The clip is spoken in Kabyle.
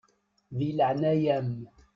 Di leɛnaya-m.